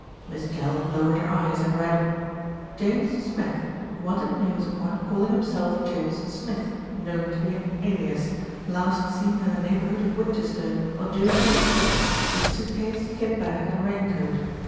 Miss Jell lowered her eyes and read: JAMES SMITH. Wanted news of one calling himself James Smith (known to be an alias) last seen in the neighbourhood of Winchester on June 23rd, with suit case, kit bag, and rain coat.